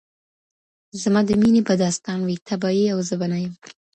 زما د میني به داستان وي ته به یې او زه به نه یم